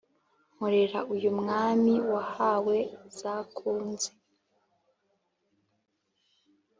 Nkorera uyu Mwami wahawe zakunze